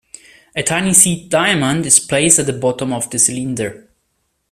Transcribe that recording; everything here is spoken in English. A tiny seed diamond is placed at the bottom of the cylinder.